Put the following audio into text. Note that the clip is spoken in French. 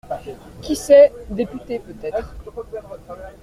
Qui sait ?… député, peut-être.